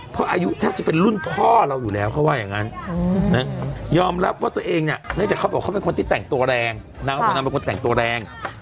พออายุแทบจะเป็นรุ่นพ่อเราอยู่แล้วเขาว่าอย่างนั้น